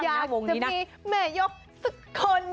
อยากจะมีแม่ยกสักคน